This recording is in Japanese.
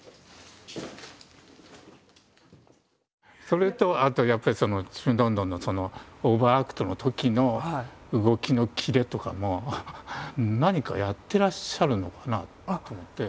それとあとやっぱり「ちむどんどん」のオーバーアクトのときの動きのキレとかも何かやってらっしゃるのかなと思って。